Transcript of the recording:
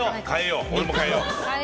俺も変えよう。